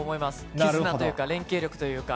絆というか、連携力というか。